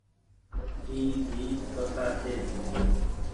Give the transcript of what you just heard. اي ۮي پکآن ڇي